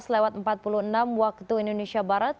lewat empat puluh enam waktu indonesia barat